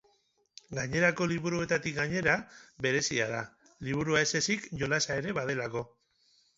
Gainerako liburuetatik gainera, berezia da, liburua ezezik, jolasa ere badelako.